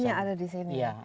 hanya ada di sini